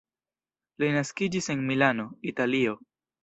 Li naskiĝis en Milano, Italio.